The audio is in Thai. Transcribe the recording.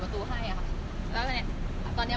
แต่เนี้ยค่ะเนี้ยอยู่ในเนี้ยแล้วทำยังไงอ่ะค่ะ